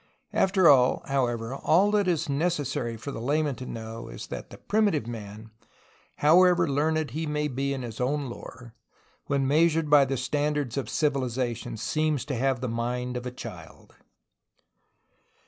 After all, however, all that it is necessary for the layman to know is that the primitive man, however learned he may be in his own lore, when measured by the standards of civi lization seems to have the mind of a child.